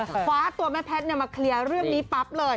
คว้าตัวแม่แพทย์มาเคลียร์เรื่องนี้ปั๊บเลย